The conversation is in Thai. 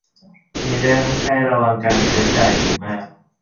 มีเรื่องให้ระวังการใช้จ่ายอยู่มาก